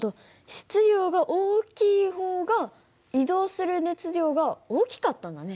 質量が大きい方が移動する熱量が大きかったんだね。